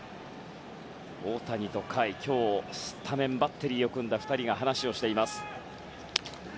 大谷と甲斐、今日スタメンバッテリーを組んだ２人が話をしています。